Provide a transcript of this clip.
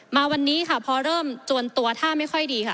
มาวันนี้ค่ะพอเริ่มจวนตัวท่าไม่ค่อยดีค่ะ